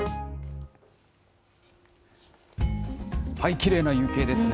きれいな夕景ですね。